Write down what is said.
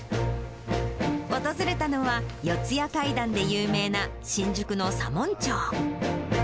訪れたのは、四谷怪談で有名な新宿の左門町。